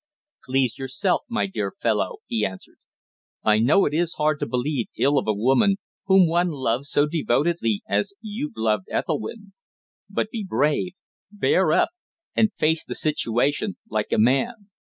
"Please yourself, my dear fellow," he answered. "I know it is hard to believe ill of a woman whom one loves so devotedly as you've loved Ethelwynn. But be brave, bear up, and face the situation like a man."